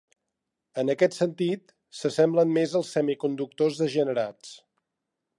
En aquest sentit, s'assemblen més als semiconductors degenerats.